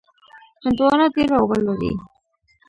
هندوانه ډېره اوبه لري.